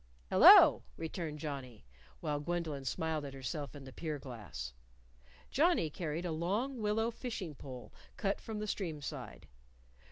"Hello!" returned Johnnie while Gwendolyn smiled at herself in the pier glass. Johnnie carried a long willow fishing pole cut from the stream side.